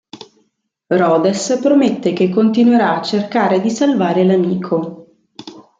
Rhodes promette che continuerà a cercare di salvare l'amico.